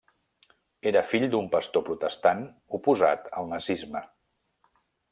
Era fill d'un pastor protestant oposat al nazisme.